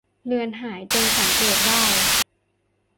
เลือนหายจนสังเกตได้